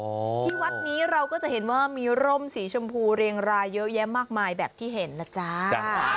ที่วัดนี้เราก็จะเห็นว่ามีร่มสีชมพูเรียงรายเยอะแยะมากมายแบบที่เห็นล่ะจ้า